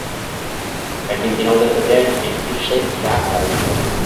El vint-i-nou de febrer en Quirze irà a la biblioteca.